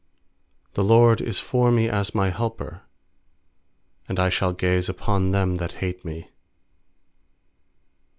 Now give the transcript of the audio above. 7The LORD is for me as my helper; And I shall gaze upon them that hate me.